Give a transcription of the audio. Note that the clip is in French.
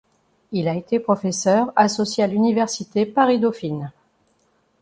Il a été professeur associé à l'Université Paris-Dauphine.